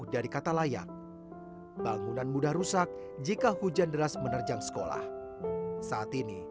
ini kita lihat bahwa tebal karena subscriber sepuluh farmer masih ada tempatnya